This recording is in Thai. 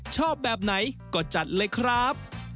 ชอบแบบไหนก็จัดเลยครับ